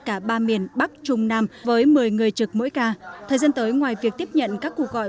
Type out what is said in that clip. cả ba miền bắc trung nam với một mươi người trực mỗi ca thời gian tới ngoài việc tiếp nhận các cuộc gọi